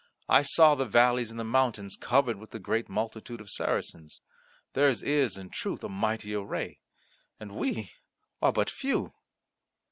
I saw the valleys and the mountains covered with the great multitude of Saracens. Theirs is, in truth, a mighty array, and we are but few."